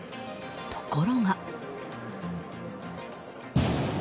ところが。